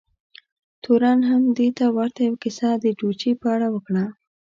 تورن هم دې ته ورته یوه کیسه د ډوچي په اړه وکړه.